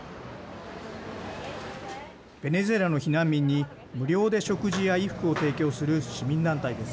ベネズエラの避難民に無料で食事や衣服を提供する市民団体です。